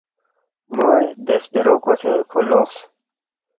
موے دے خپیرو کوسے کھو لوقس